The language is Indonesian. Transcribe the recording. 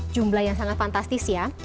jumlah yang sangat fantastis ya